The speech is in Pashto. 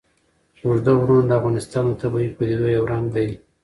اوږده غرونه د افغانستان د طبیعي پدیدو یو رنګ دی.